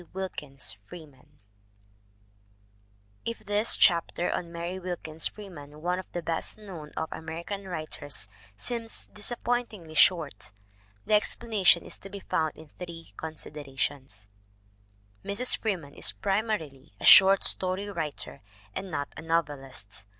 WILKINS FREEMAN IF this chapter on Mary Wilkins Freeman, one of the best known of American writers, seems dis appointingly short, the explanation is to be found in three considerations: Mrs. Freeman is primarily a short story writer and not a novelist.